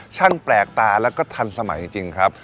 แปลกตาแล้วก็ทันสมัยจริงครับ